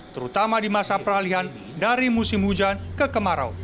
terutama di masa peralihan dari musim hujan ke kemarau